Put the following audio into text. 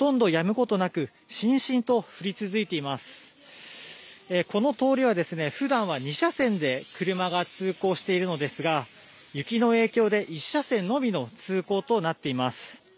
この通りは、ふだんは２車線で車が通行しているのですが、雪の影響で１車線のみの通行となっています。